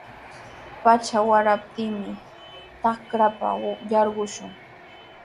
Pacha waraptinmi trakrapa yarqushun.